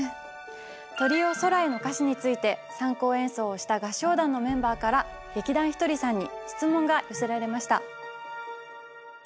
「鳥よ空へ」の歌詞について参考演奏をした合唱団のメンバーから劇団ひとりさんに質問が寄せられました。